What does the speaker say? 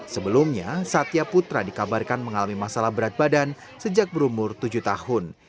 sebelumnya satya putra dikabarkan mengalami masalah berat badan sejak berumur tujuh tahun